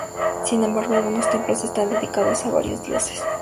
Sin embargo, algunos templos están dedicados a varios dioses.